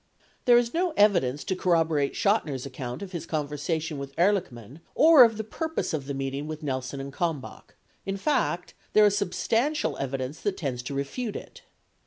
— There is no evidence to corrobo rate Chotiner's account of his conversation with Ehrlichman or of the purpose of the meeting with Nelson and Kalmbach; in fact, there is substantial evidence that tends to refute it.